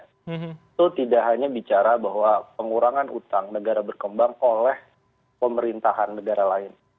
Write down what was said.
itu tidak hanya bicara bahwa pengurangan utang negara berkembang oleh pemerintahan negara lain